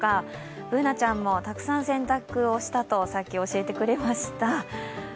Ｂｏｏｎａちゃんもたくさん洗濯をしたと、さっき教えてくれました。